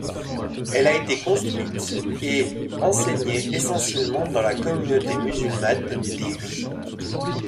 Elle a été construite et enseignée essentiellement dans la communauté musulmane des Hui.